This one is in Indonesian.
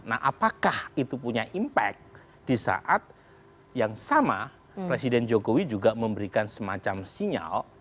nah apakah itu punya impact di saat yang sama presiden jokowi juga memberikan semacam sinyal